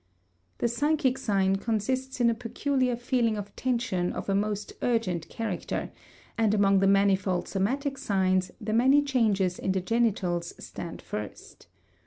The psychic sign consists in a peculiar feeling of tension of a most urgent character, and among the manifold somatic signs the many changes in the genitals stand first.